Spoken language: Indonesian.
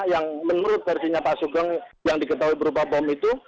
yang menurut versinya pak sugeng yang diketahui berupa bom itu